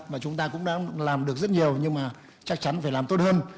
mà chúng ta cũng đã làm được rất nhiều nhưng mà chắc chắn phải làm tốt hơn